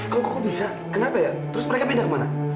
kok bisa kenapa ya terus mereka pindah kemana